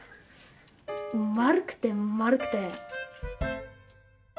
丸くて丸くて。